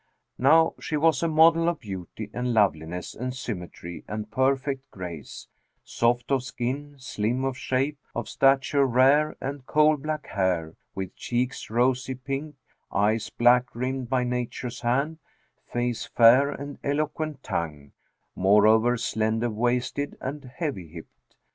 Now she was a model of beauty and loveliness and symmetry and perfect grace; soft of skin, slim of shape, of stature rare, and coal black hair; with cheeks rosy pink, eyes black rimmed by nature's hand, face fair, and eloquent tongue; moreover slender waisted and heavy hipped.